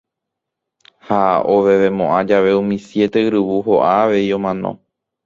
Ha ovevemo'ã jave umi siete yryvu ho'a avei omano.